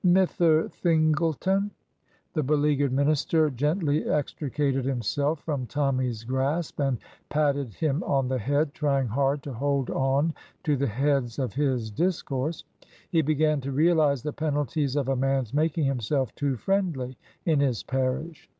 " Mithter Thingleton 1 '' The beleaguered minister gently extricated himself from Tommy's grasp and patted him on the head, trying hard to hold on to the heads of his discourse. He began to realize the penalties of a man's making himself too friendly in his parish.